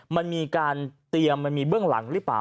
มันมีการเตรียมมันมีเบื้องหลังหรือเปล่า